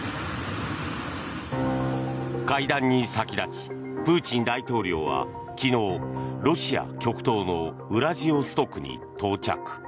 会談に先立ちプーチン大統領は昨日ロシア極東のウラジオストクに到着。